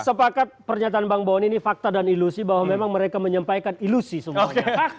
sepakat pernyataan bang boni ini fakta dan ilusi bahwa memang mereka menyampaikan ilusi semuanya